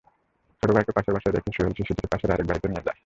ছোট ভাইকে বাসায় রেখে সোহেল শিশুটিকে পাশের আরেকটি বাড়িতে নিয়ে যান।